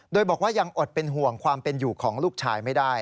โดยบอกว่ายังอดเป็นห่วงความเป็นอยู่ของลูกชายไม่ได้